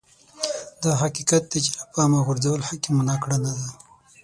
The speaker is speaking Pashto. دا حقيقت دی چې له پامه غورځول حکيمانه کړنه ده.